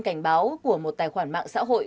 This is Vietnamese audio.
cảnh báo của một tài khoản mạng xã hội